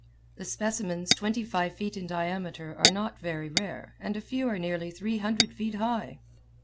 The specimens twenty five feet in diameter are not very rare and a few are nearly three hundred feet high.